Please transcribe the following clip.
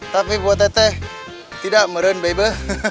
tapi buat teteh tidak meren bebe